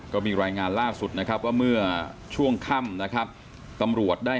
ก็มีรายงานล่าสุดว่าเมื่อช่วงค่ำตำรวจได้